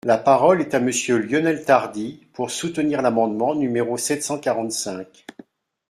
La parole est à Monsieur Lionel Tardy, pour soutenir l’amendement numéro sept cent quarante-cinq.